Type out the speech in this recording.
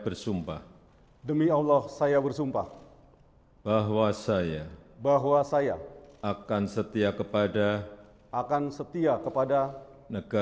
raya kebangsaan indonesia raya